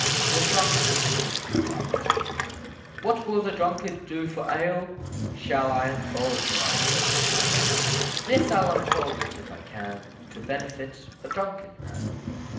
THE DRUNKARD'S LOOKING GLASS! What will the drunkard do for ale? Shall I unfold my dreadful tale? Yes, I'll unfold it if I can, To benefit a drunken man.